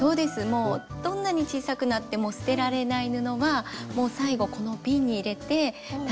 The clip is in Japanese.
もうどんなに小さくなっても捨てられない布はもう最後このビンに入れて楽しんでいます。